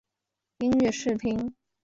音乐试听